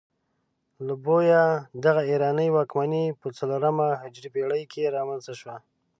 ال بویه دغه ایراني واکمنۍ په څلورمه هجري پيړۍ کې رامنځته شوه.